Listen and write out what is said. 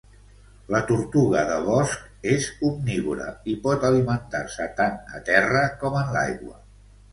La tortuga de bosc és omnívora i pot alimentar-se tant a terra com en l'aigua.